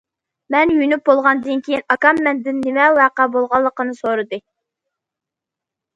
مەن يۇيۇنۇپ بولغاندىن كېيىن، ئاكام مەندىن نېمە ۋەقە بولغانلىقىنى سورىدى.